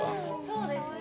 そうですね。